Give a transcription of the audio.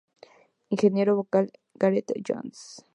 Ingeniero vocal: Gareth Jones.